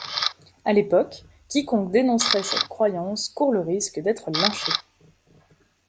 À l'époque, quiconque dénoncerait cette croyance court le risque d'être lynché.